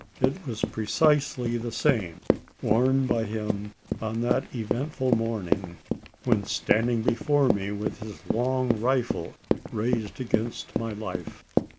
It was precisely the same worn by him on that eventful morning when standing before me with his long rifle raised against my life.